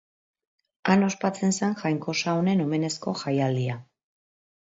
Han ospatzen zen jainkosa honen omenezko jaialdia.